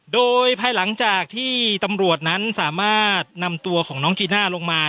โดยภายหลังจากที่ตำรวจนั้นสามารถนำตัวของน้องจีน่าลงมา